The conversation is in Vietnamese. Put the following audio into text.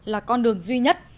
là con đường duy nhất